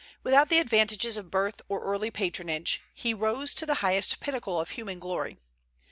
Without the advantages of birth or early patronage, he rose to the highest pinnacle of human glory.